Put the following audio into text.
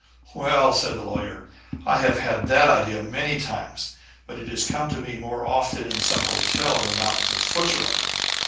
"Well," said the Lawyer, "I have had that idea many times, but it has come to me more often in some hotel in the mountains of Switzerland.